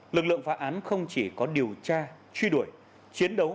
lực lượng phá án không chỉ có điều tra truy đuổi chiến đấu